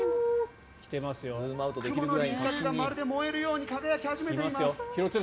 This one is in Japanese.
雲の輪郭がまるで燃えるように輝き始めています。